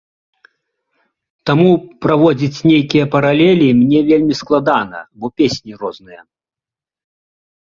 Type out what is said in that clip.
Таму праводзіць нейкія паралелі мне вельмі складана, бо песні розныя.